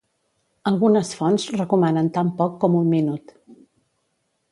Algunes fonts recomanen tan poc com un minut.